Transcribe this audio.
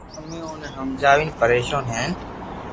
امو اوني ھمجاوين پريݾون ھين